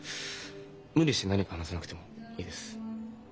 無理して何か話さなくてもいいです。